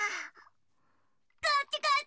こっちこっち！